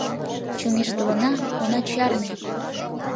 Чоҥештылына, она чарне